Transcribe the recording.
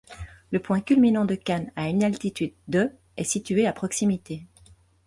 Le point culminant de Cannes à une altitude de est situé à proximité.